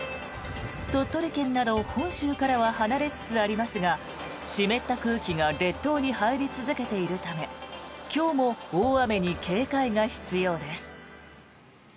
鳥取県など本州からは離れつつありますが湿った空気が列島に入り続けているため今日も大雨に警戒が必要です。